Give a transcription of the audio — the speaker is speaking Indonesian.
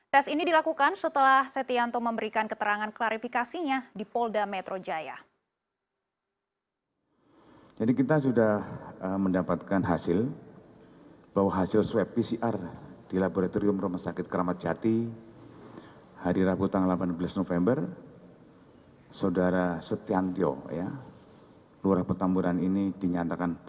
tes ini dilakukan setelah setianto memberikan keterangan klarifikasinya di polda metro jaya